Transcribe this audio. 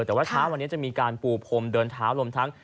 แต่ว่าเช้าวันนี้จะมีการปูพรมเดินเท้ารวมทั้ง